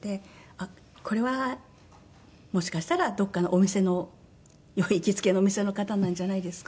あっこれはもしかしたらどこかのお店の「行きつけのお店の方なんじゃないですか？」